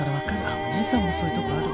あっお姉さんもそういうところある。